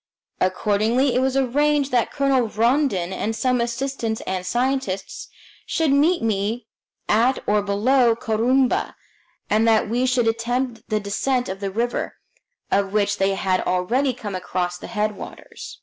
Accordingly, it was arranged that Colonel Rondon and some assistants and scientists should meet me at or below Corumba, and that we should attempt the descent of the river, of which they had already come across the headwaters.